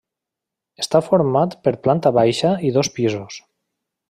Està format per planta baixa i dos pisos.